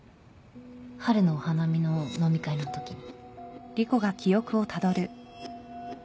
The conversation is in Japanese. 春のお花見の飲み会のときに。